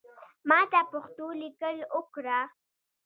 ماته پښتو لیکل اوکړه